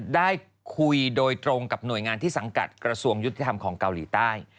ได้คุยโดยตรงกับหน่วยงานที่สังกัดกระทรวงยุติธรรมของเกาหลีใต้